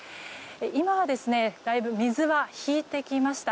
今はだいぶ水は引いてきました。